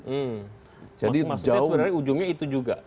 iya maksudnya sebenarnya ujungnya itu juga